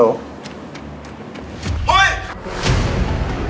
โอ๊ย